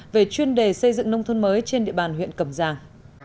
về chuyên đề xây dựng nông thôn mới trên địa bàn huyện cầm giang